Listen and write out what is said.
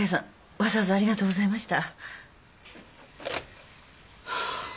わざわざありがとうございました。